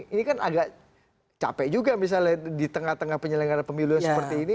ini kan agak capek juga misalnya di tengah tengah penyelenggara pemilu yang seperti ini